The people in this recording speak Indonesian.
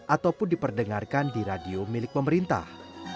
ataupun diperdengarkan di radio milik pemerintah